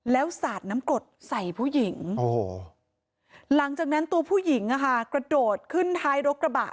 แล้วสาดน้ำกรดใส่ผู้หญิงหลังจากนั้นตัวผู้หญิงกระโดดขึ้นท้ายรถกระบะ